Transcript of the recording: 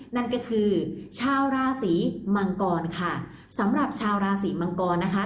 นั่นก็คือชาวราศีมังกรค่ะสำหรับชาวราศีมังกรนะคะ